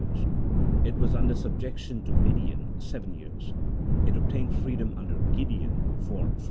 40 It was under subjection to Midian .... 7 It obtained freedom under G ideon f or